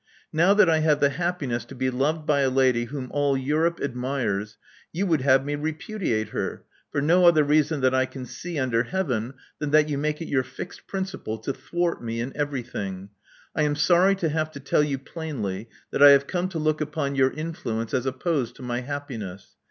Now that I have the happiness to be loved by a lady whom all Europe admires, you would have me repudi ate her, for no other reason that I can see under Heaven than that you make it your fixed principle to thwart me in everything. I am sorry to have to tell you plainly that I have come to look upon your influence as opposed to my happiness.